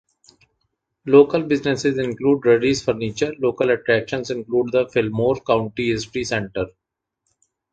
Local businesses include Drury's Furniture, local attractions include the Fillmore County History Center.